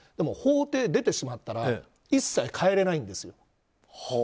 法廷出てしまったら一切変えられないんですよ。